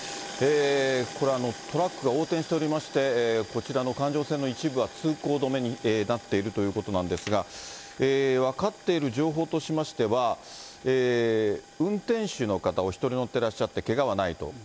これ、トラックが横転しておりまして、こちらの環状線の一部は通行止めになっているということなんですが、分かっている情報としましては、運転手の方、お１人乗ってらっしゃって、けがはないと。